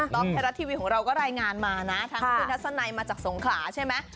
ไทยรัฐทีวีของเราก็รายงานมานะทั้งคุณทัศนัยมาจากสงขลาใช่ไหม